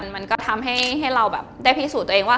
มันก็ทำให้เราได้พิสูจน์ตัวเองว่า